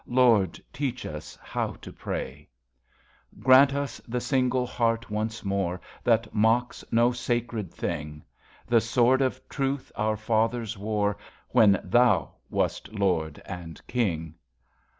Lord, teach us how to pray. V KADA Grant us the single heart once more That mocks no sacred thing, The Sword of Truth our fathers wore When Thou wast Lord and King.